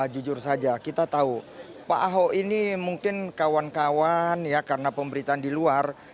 jujur saja kita tahu pak ahok ini mungkin kawan kawan ya karena pemberitaan di luar